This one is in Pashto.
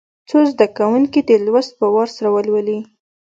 څو زده کوونکي دي لوست په وار سره ولولي.